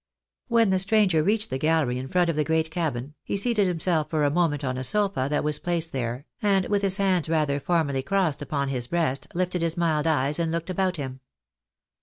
When the stranger reached the gallery in front of the great cabin, he seated himself for a moment on a sofa that was placed there, and with his hands rather formally crossed upon liis breast, lifted his mild eyes and looked about him.